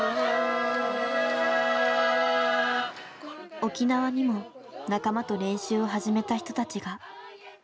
沖縄にも仲間と練習を始めた人たちが。